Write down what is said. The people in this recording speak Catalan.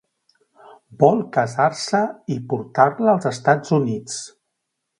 Vol casar-se i portar-la als Estats Units.